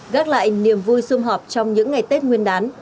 gác lại niềm vui xung họp trong những ngày tết nguyên đán